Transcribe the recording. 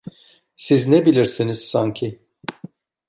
Siz ne bilirsiniz sanki?